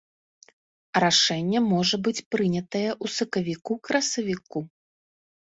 Рашэнне можа быць прынятае ў сакавіку-красавіку.